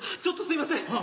ちょっとすみません。